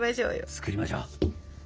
作りましょう。